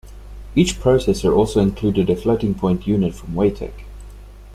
Each processor also included a floating point unit from Weitek.